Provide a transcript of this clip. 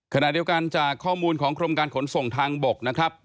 ขณะเดียวกันจากข้อมูลของกรมการขนส่งทางบกนะครับ